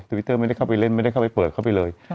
วิตเตอร์ไม่ได้เข้าไปเล่นไม่ได้เข้าไปเปิดเข้าไปเลย